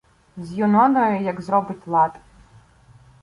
З Юноною як зробить лад.